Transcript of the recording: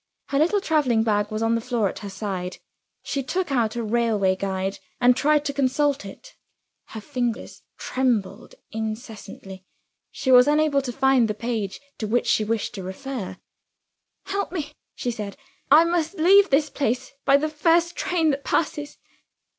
Her little traveling bag was on the floor at her side. She took out a railway guide, and tried to consult it. Her fingers trembled incessantly; she was unable to find the page to which she wished to refer. "Help me," she said, "I must leave this place by the first train that passes."